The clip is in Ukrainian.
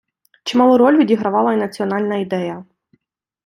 Чималу роль відігравала й національна ідея.